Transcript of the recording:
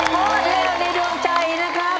โคตรเลวในดวงใจนะครับ